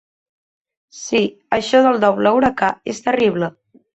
Sí, això del doble huracà és terrible.